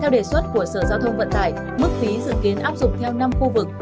theo đề xuất của sở giao thông vận tải mức phí dự kiến áp dụng theo năm khu vực